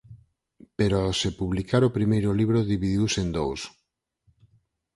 Pero ao se publicar o primeiro libro dividiuse en dous.